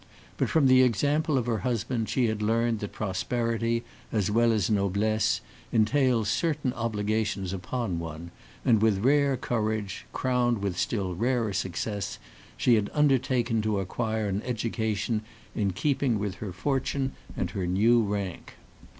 But from the example of her husband she had learned that prosperity, as well as noblesse, entails certain obligations upon one, and with rare courage, crowned with still rarer success, she had undertaken to acquire an education in keeping with her fortune and her new rank.